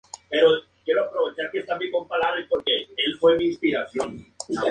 Es decir, existen antecedentes familiares.